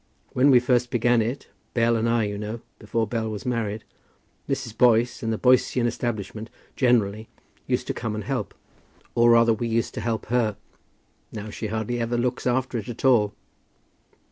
When we first began it, Bell and I, you know, before Bell was married, Mrs. Boyce, and the Boycian establishment generally, used to come and help. Or rather we used to help her. Now she hardly ever looks after it at all."